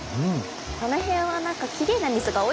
この辺はなんかきれいな水が多いですね。